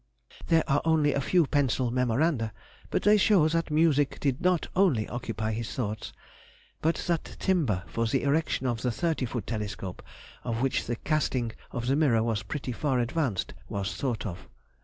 There are only a few pencil memoranda, but they show that music did not only occupy his thoughts, but that timber for the erection of the thirty foot telescope of which the casting of the mirror was pretty far advanced was thought of.